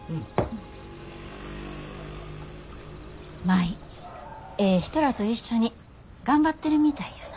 舞ええ人らと一緒に頑張ってるみたいやなぁ。